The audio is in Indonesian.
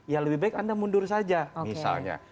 ya lebih baik anda mundur saja misalnya